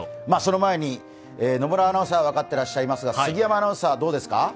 その前に、野村アナウンサーが分かっていらっしゃいますが、杉山アナウンサーはどうですか？